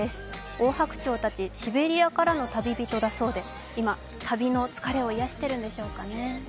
オオハクチョウたち、シベリアからの旅人だそうで今、旅の疲れをいやしているんでしょうかね。